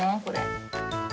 これ。